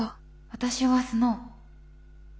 私はスノウ。